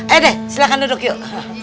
eh deh silahkan duduk yuk